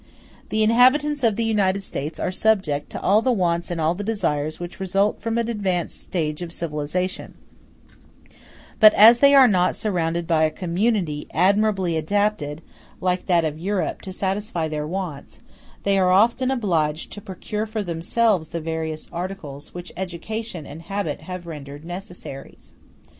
The inhabitants of the United States are subject to all the wants and all the desires which result from an advanced stage of civilization; but as they are not surrounded by a community admirably adapted, like that of Europe, to satisfy their wants, they are often obliged to procure for themselves the various articles which education and habit have rendered necessaries.